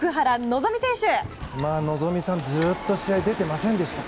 希望さんずっと試合出ていませんでした。